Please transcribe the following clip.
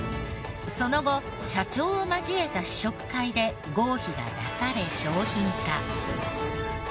その後社長を交えた試食会で合否が出され商品化。